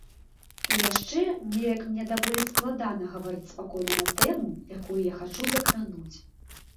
І яшчэ неяк мне даволі складана гаварыць спакойна на тэму, якую я хачу закрануць.